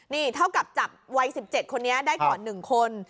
นี่เท่ากับจับวัย๑๗คนนี้ได้ก่อน๑คน